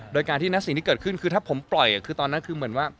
โดยการที่ณสิ่งที่เกิดขึ้นคือถ้าผมปล่อยคือตอนนั้นคือเหมือนว่า